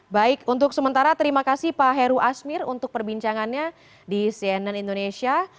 baik untuk sementara terima kasih pak heru asmir untuk perbincangannya di cnn indonesia